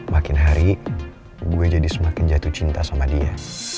makin hari gue jadi semakin jatuh cinta sama dia